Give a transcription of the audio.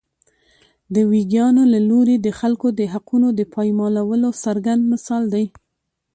د ویګیانو له لوري د خلکو د حقونو د پایمالولو څرګند مثال دی.